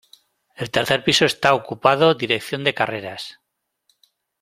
El tercer piso está ocupado dirección de carreras.